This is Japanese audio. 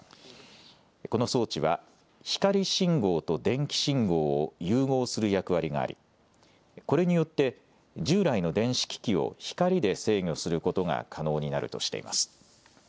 この装置は光信号と電気信号を融合する役割がありこれによって従来の電子機器を光で制御することが可能になるとしています。